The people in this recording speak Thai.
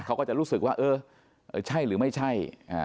เขาก็จะรู้สึกว่าเออใช่หรือไม่ใช่